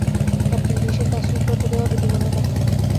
Captain বিষের কাজ শেষ করতে দেয়াই বুদ্ধিমানের কাজ হবে।